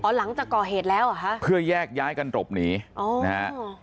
อ๋อหลังจากก่อเหตุแล้วหรอฮะ